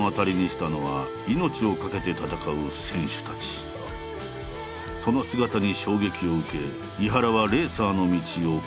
その姿に衝撃を受け井原はレーサーの道を志した。